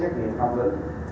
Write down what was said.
cũng như các chốt kiểm soát